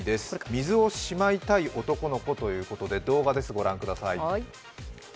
水をしまいたい男の子ということで、動画です、ご覧ください。